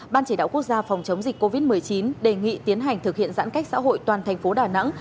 ban chỉ đạo quốc gia phòng chống dịch covid một mươi chín đề nghị tiến hành thực hiện giãn cách xã hội toàn thành phố đà nẵng